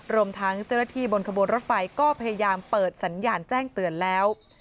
รวมทั้งเจ้าหน้าที่บนขบวนรถไฟก็พยายามเปิดสัญญาณแจ้งเตือนแล้ว